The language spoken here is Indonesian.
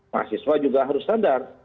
mahasiswa juga harus sadar